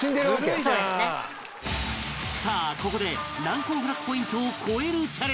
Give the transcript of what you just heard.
さあここで難攻不落ポイントを超えるチャレンジ